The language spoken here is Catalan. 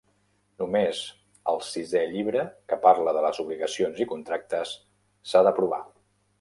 Només el Sisè llibre, que parla de les obligacions i contractes, s'ha d'aprovar.